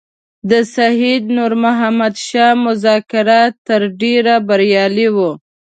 د سید نور محمد شاه مذاکرات تر ډېره بریالي وو.